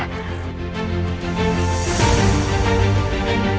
periksa kamar ini